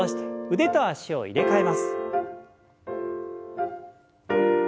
腕と脚を入れ替えます。